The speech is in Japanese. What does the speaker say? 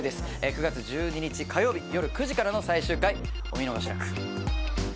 ９月１２日火曜日よる９時からの最終回お見逃しなく。